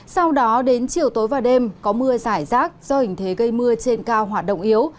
sau đó đến chiều tối và đêm có mưa giải rác do hình thế gây mưa trên cao hoạt động yếu